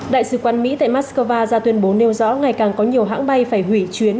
đại sứ quán mỹ tại moscow ra tuyên bố nêu rõ ngày càng có nhiều hãng bay phải hủy chuyến